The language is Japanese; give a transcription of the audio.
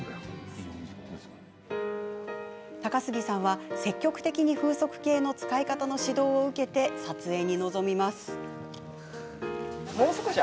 高杉さんは、積極的に風速計の使い方の指導を受け撮影に臨みます。